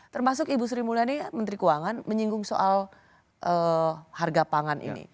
termasuk ibu sri mulyani menteri keuangan menyinggung soal harga pangan ini